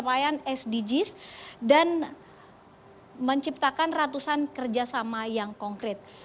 kemudian juga mendorong percepatan pencapaian sdgs dan menciptakan ratusan kerjasama yang konkret